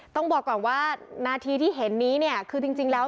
ต้องบอกก่อนว่านาทีที่เห็นนี้เนี่ยคือจริงแล้ว